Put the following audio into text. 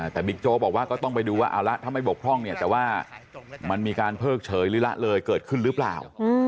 แต่บิ๊กโจ๊กบอกว่าก็ต้องไปดูว่าเอาละถ้าไม่บกพร่องเนี่ยแต่ว่ามันมีการเพิกเฉยหรือละเลยเกิดขึ้นหรือเปล่า